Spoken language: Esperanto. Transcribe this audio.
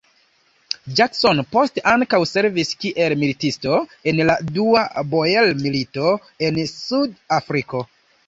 Jackson poste ankaŭ servis kiel militisto en la dua Boer-milito en Sud-Afriko.